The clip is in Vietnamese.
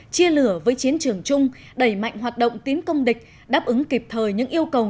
chia lửa với chiến trường chung đẩy mạnh hoạt động tiến công địch đáp ứng kịp thời những yêu cầu